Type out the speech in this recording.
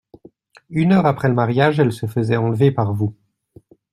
Une heure après le mariage, elle se faisait enlever par vous.